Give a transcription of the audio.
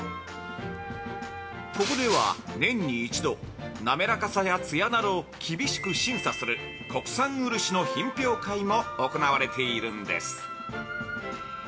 ここでは年に１度滑らかさや艶などを厳しく審査する国産漆の品評会も行われているんです。